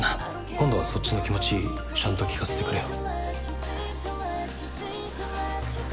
今度そっちの気持ちちゃんと聞かせてくれよ